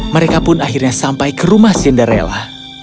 mereka pun akhirnya sampai ke rumah cinderella